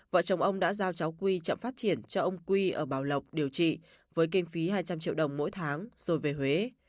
vợ chồng ông đã giao cháu quy chậm phát triển cho ông quy ở bảo lộc điều trị với kinh phí hai trăm linh triệu đồng mỗi tháng rồi về huế